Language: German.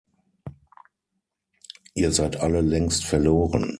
Ihr seid alle längst verloren!